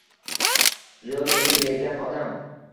Zoʻr bilim bergan odam